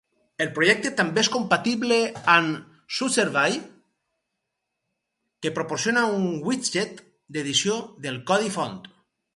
El projecte també és compatible amb GtkSourceView, que proporciona un widget d'edició del codi font.